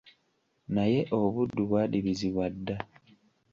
Naye obuddu bwadibizibwa dda.